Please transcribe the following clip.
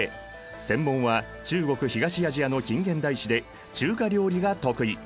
専門は中国・東アジアの近現代史で中華料理が得意。